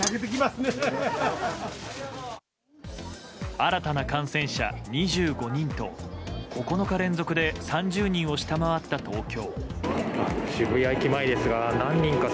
新たな感染者、２５人と９日連続で３０人を下回った東京。